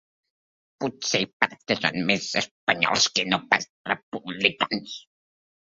Potser perquè són més espanyols que no pas republicans.